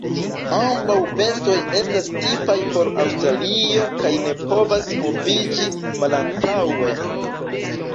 Ambaŭ bestoj estas tipaj por Aŭstralio kaj ne povas moviĝi malantaŭen.